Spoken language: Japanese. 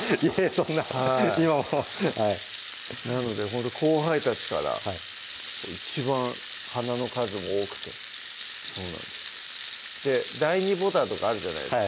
そんな今もなのでほんと後輩たちから一番花の数も多くてそうなんですで第２ボタンとかあるじゃないですか